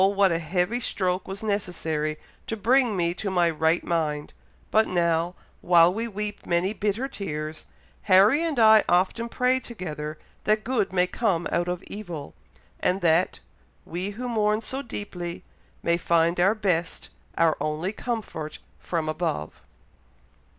what a heavy stroke was necessary to bring me to my right mind, but now, while we weep many bitter tears, Harry and I often pray together that good may come out of evil, and that 'we who mourn so deeply, may find our best, our only comfort from above'."